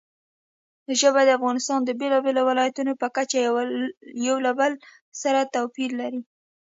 ژبې د افغانستان د بېلابېلو ولایاتو په کچه یو له بل سره توپیر لري.